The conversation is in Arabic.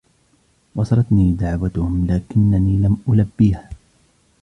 وصلتني دعوتهم لكنني لم ألبيها